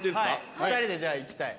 ２人でじゃあ行きたい。